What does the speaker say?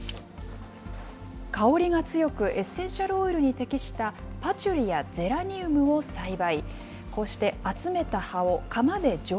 香りが強く、エッセンシャルオイルに適した、パチュリやゼラニウムを栽培。